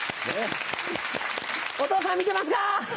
お父さん見てますか！